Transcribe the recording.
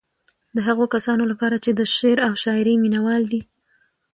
د هغو کسانو لپاره چې د شعر او شاعرۍ مينوال دي.